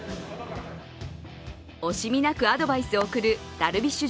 惜しみなくアドバイスを送るダルビッシュ